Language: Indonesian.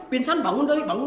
bangun bangun bangun